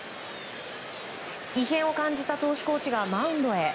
異変を感じた投手コーチがマウンドへ。